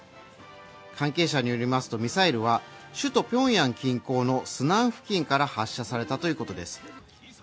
関係者によりますとミサイルは首都ピョンヤン近郊のスナン付近から発射されたということです。